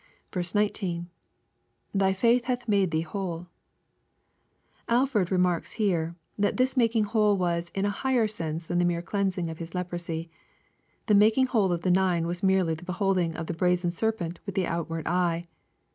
19. — [Thy faith hath made thee whoU^ Alford remarks here, that this making whole was " in a higher sense than the mere cleansing of his leprosy. The making whole of the nine was merely the beholding of the brazen serpent with the outward eye.